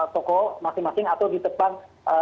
toko masing masing atau di depan